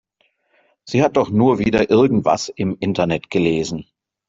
Sie hat doch nur wieder irgendwas im Internet gelesen.